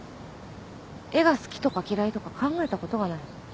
絵が好きとか嫌いとか考えたことがない。